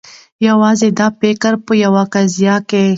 یوازي د فکر په یوه قضیه کي